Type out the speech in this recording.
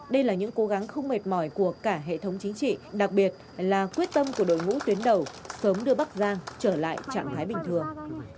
đây là những cố gắng không mệt mỏi của cả hệ thống chính trị đặc biệt là quyết tâm của đội ngũ tuyến đầu sớm đưa bắc giang trở lại trạng thái bình thường